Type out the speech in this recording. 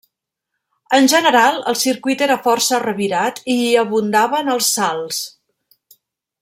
En general, el circuit era força revirat i hi abundaven els salts.